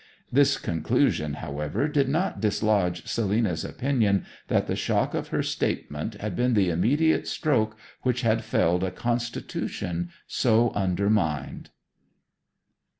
This conclusion, however, did not dislodge Selina's opinion that the shock of her statement had been the immediate stroke which had felled a constitution so undermined.